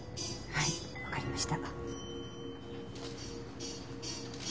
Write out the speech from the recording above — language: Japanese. はいわかりました。